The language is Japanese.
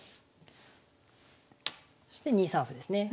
そして２三歩ですね。